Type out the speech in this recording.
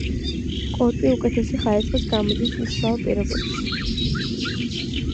კორპი უკეთესი ხარისხის გამოდის მშრალ პირობებში.